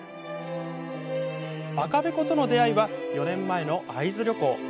赤べことの出会いは４年前の会津旅行。